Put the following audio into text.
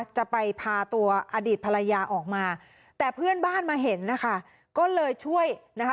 จะไปพาตัวอดีตภรรยาออกมาแต่เพื่อนบ้านมาเห็นนะคะก็เลยช่วยนะคะ